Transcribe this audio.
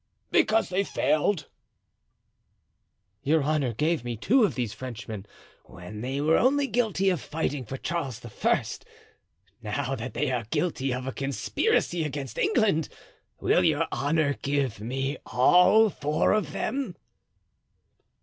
"Because they failed." "Your honor gave me two of these Frenchmen when they were only guilty of fighting for Charles I. Now that they are guilty of a conspiracy against England will your honor give me all four of them?"